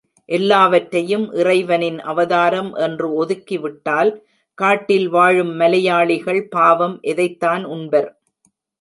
எல்லாவற்றையும் இறைவனின் அவதாரம் என்று ஒதுக்கி விட்டால் காட்டில் வாழும் மலையாளிகள் பாவம், எதைத்தான் உண்பர்......!